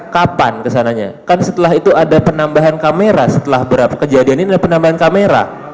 kapan kesananya kan setelah itu ada penambahan kamera setelah berapa kejadian ini adalah penambahan kamera